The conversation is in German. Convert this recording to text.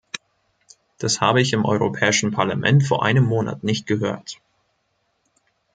Das habe ich im Europäischen Parlament vor einem Monat nicht gehört.